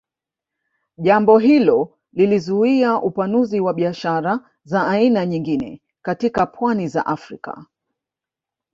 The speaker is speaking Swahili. Jambo hilo lilizuia upanuzi wa biashara za aina nyingine katika pwani za Afrika